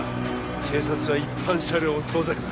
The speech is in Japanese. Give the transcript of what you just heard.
警察は一般車両を遠ざけた